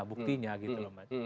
buktinya gitu loh